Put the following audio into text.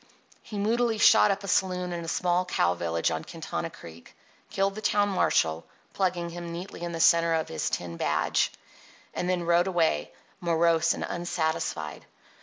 He moodily shot up a saloon in a small cow village on Quintana Creek, killed the town marshal (plugging him neatly in the centre of his tin badge), and then rode away, morose and unsatisfied.